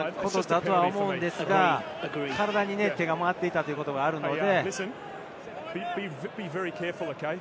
ボールに行ったということだと思うのですが、体に手が回っていたということがあるので。